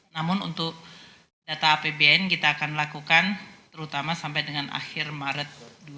namun untuk data apbn kita akan lakukan terutama sampai dengan akhir maret dua ribu dua puluh